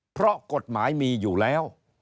เพราะกฎหมายมีอยู่แล้ว